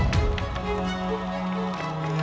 terima kasih teman teman ya